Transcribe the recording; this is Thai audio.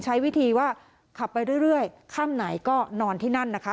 ใช้วิธีว่าขับไปเรื่อยข้ามไหนก็นอนที่นั่นนะคะ